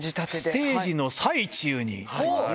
ステージの最中に。